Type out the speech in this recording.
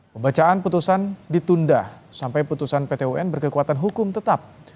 pembacaan putusan ditunda sampai putusan pt un berkekuatan hukum tetap